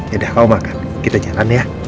yaudah kamu makan kita jalan ya